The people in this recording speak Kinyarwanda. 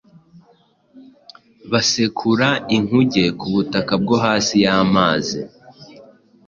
basekura inkuge ku butaka bwo hasi y’amazi;